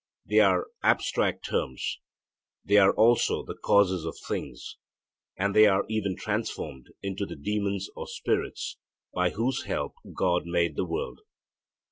They are abstract terms: they are also the causes of things; and they are even transformed into the demons or spirits by whose help God made the world.